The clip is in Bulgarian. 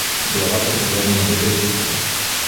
Главата погледна навътре в дупката.